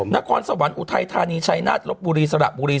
นครสวรรค์อุทัยธานีชัยนาฏลบบุรีสระบุรี